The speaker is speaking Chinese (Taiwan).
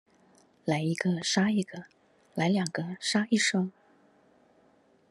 來一個殺一個、來兩個殺一雙